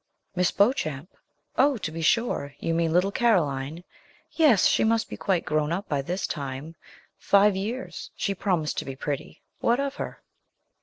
'Miss Beauchamp? Oh! to be sure; you mean little Caroline; yes, she must be quite grown up by this time five years she promised to be pretty. What of her?'